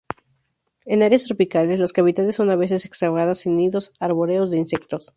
En áreas tropicales, las cavidades son a veces excavadas en nidos arbóreos de insectos.